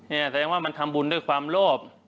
แสดงว่ามันทำบุญด้วยความโลภ